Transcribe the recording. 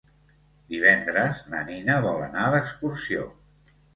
Divendres na Nina vol anar d'excursió.